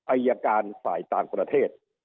อายการฝ่ายต่างประเทศ